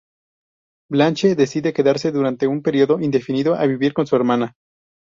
Blanche decide quedarse durante un período indefinido a vivir con su hermana.